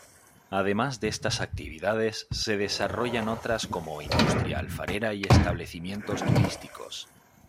Además de estas actividades se desarrollan otras como industria alfarera y establecimientos turísticos.